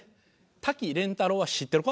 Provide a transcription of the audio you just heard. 瀧廉太郎は知ってるか？